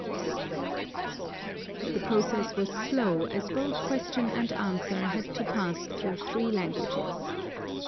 The process was slow, as both question and answer had to pass through three languages.